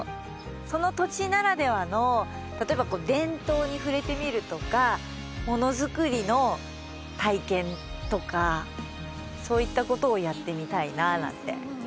その土地ならではの例えば伝統に触れてみるとか物づくりの体験とかそういったことをやってみたいななんて。